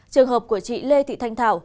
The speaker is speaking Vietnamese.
trường hợp của chị lê thị thanh thảo